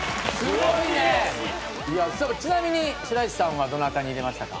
ちなみに白石さんはどなたに入れましたか？